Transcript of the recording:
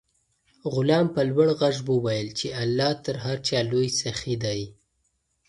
غلام په لوړ غږ وویل چې الله تر هر چا لوی سخي دی.